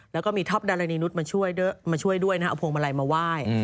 แล้วก็มีท็อปดารณีนุษย์มาช่วยมาช่วยด้วยนะเอาพวงมาลัยมาไหว้